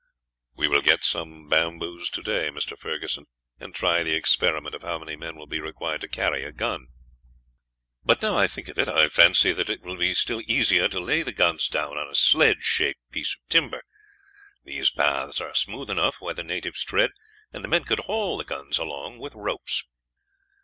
"We will get some bamboos today, Mr. Ferguson, and try the experiment of how many men will be required to carry a gun; but now I think of it, I fancy that it will be still easier to lay the guns down on a sledge shaped piece of timber these paths are smooth enough where the natives tread, and the men could haul the guns along with ropes."